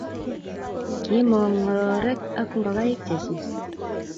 Kiimong ngororik ak ngokaik chechi